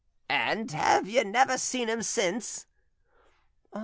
"And have you never seen him since?"